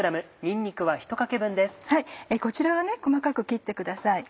こちらは細かく切ってください。